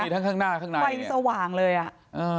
นะทังข้างหน้าข้างในว่ายยังสว่างเลยอ่ะ